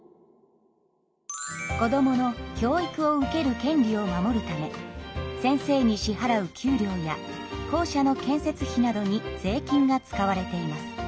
子どもの教育を受ける権利を守るため先生に支はらう給料や校舎の建設費などに税金が使われています。